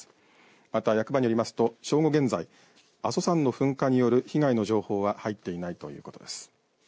また役場によりますと正午現在阿蘇山の噴火による被害の情報は入っていないということです。